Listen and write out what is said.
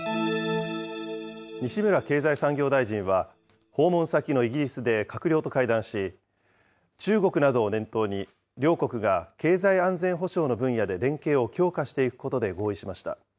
西村経済産業大臣は、訪問先のイギリスで閣僚と会談し、中国などを念頭に、両国が経済安全保障の分野で連携を強化していくことで合意しました。